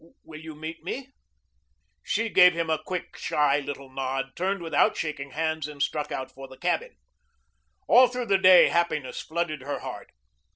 Will you meet me?" She gave him a quick, shy little nod, turned without shaking hands, and struck out for the cabin. All through the day happiness flooded her heart.